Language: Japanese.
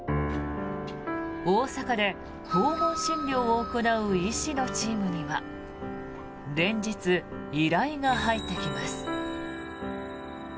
大阪で訪問診療を行う医師のチームには連日、依頼が入ってきます。